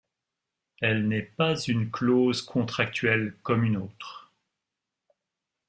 Elle n’est pas une clause contractuelle comme une autre.